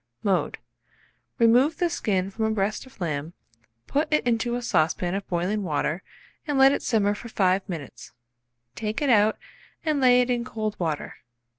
Mode. Remove the skin from a breast of lamb, put it into a saucepan of boiling water, and let it simmer for 5 minutes. Take it out and lay it in cold water.